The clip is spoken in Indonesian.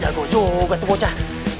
jago juga tuh bocah